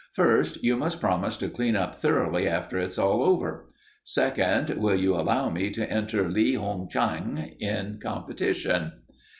"First, you must promise to clean up thoroughly after it's all over. Second, will you allow me to enter Li Hung Chang in competition?"